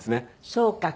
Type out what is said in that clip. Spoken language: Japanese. そうか。